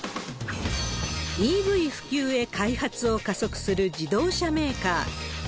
ＥＶ普及へ開発を加速する自動車メーカー。